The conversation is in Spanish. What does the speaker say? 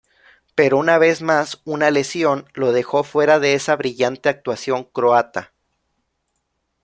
Pero una vez más una lesión, lo dejó fuera de esa brillante actuación croata.